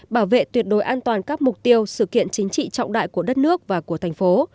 bảo vệ tuyệt đối an toàn các mục tiêu sự kiện chính trị trọng đại của đất nước và của thành phố